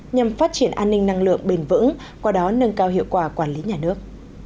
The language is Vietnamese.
nhằm phát triển an ninh năng lượng bền vững qua đó nâng cao hiệu quả quản lý nhà nước